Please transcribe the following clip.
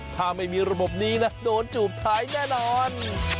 ถ้าไม่มีระบบนี้นะโดนจูบท้ายแน่นอน